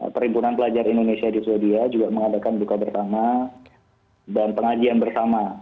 perhimpunan pelajar indonesia di swedia juga mengadakan buka bersama dan pengajian bersama